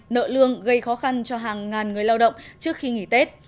nợ lương gây khó khăn cho hàng ngàn người lao động trước khi nghỉ tết